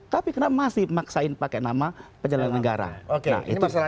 tapi kenapa masih memaksakan pakai nama penyelenggara negara